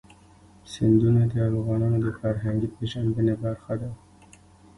سیندونه د افغانانو د فرهنګي پیژندنې برخه ده.